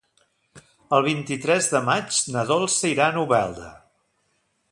El vint-i-tres de maig na Dolça irà a Novelda.